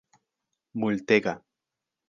multega